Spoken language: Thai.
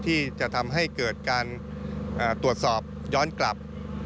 ที่จะทำให้เกิดการตรวจสอบย้อนกลับ